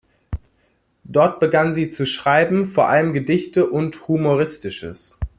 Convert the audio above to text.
Dort begann sie zu schreiben, vor allem Gedichte und Humoristisches.